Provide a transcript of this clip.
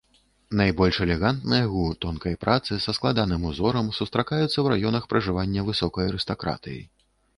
Найбольш элегантныя гу тонкай працы са складаным узорам сустракаюцца ў раёнах пражывання высокай арыстакратыі.